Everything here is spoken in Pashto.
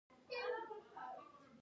د چین حکومت په اقتصاد ډېر تمرکز کوي.